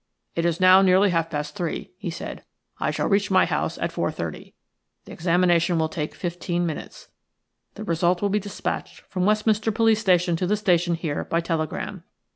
"It is now nearly half past, three," he said. "I shall reach my house at 4.30; the examination will take fifteen minutes; the result will be dispatched from Westminster police station to the station here by telegram.